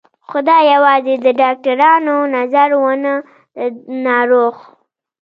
خو دا یوازې د ډاکترانو نظر و نه د ناروغ